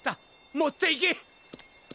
もっていけ。